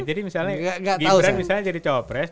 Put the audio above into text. jadi misalnya gibran jadi cowok pres